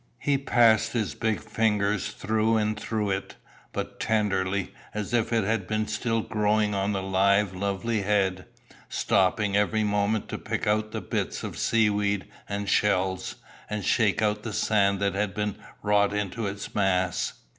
He passed his big fingers through and through it, but tenderly, as if it had been still growing on the live lovely head, stopping every moment to pick out the bits of sea weed and shells, and shake out the sand that had been wrought into its mass.